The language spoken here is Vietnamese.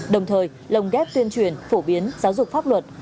đồng thời lồng ghép tuyên truyền phổ biến giáo dục pháp luật